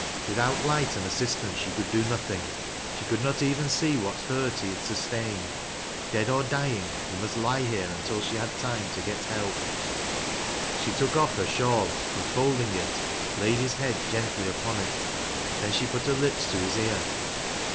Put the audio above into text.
"Without light and assistance, she could do nothing; she could not even see what hu.rt he had sua tained. Dead or dying, he must lie here until she had rime to get help. She took off her shawl, and folding it, laid his head gently upou it. Then she put her lips to his ear.